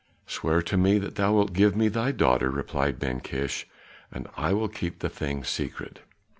"Swear to me that thou wilt give me thy daughter," replied Ben Kish, "and I will keep the thing secret."